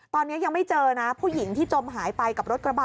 ตอนนี้ยังไม่เจอนะผู้หญิงที่จมหายไปกับรถกระบะ